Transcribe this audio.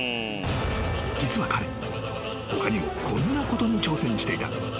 ［実は彼他にもこんなことに挑戦していた］